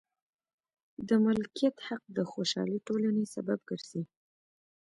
د مالکیت حق د خوشحالې ټولنې سبب ګرځي.